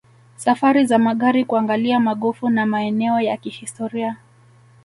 Safari za magari kuangalia magofu na maeneo ya kihistoria